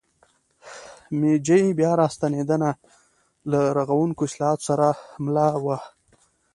میجي بیا راستنېدنه له رغوونکو اصلاحاتو سره مله وه.